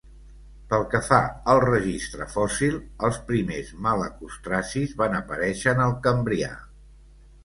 Pel que fa al registre fòssil, els primers malacostracis van aparèixer en el Cambrià.